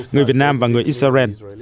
người việt nam và người israel